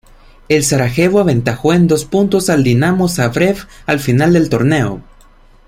El Sarajevo aventajó en dos puntos al Dinamo Zagreb al final del torneo.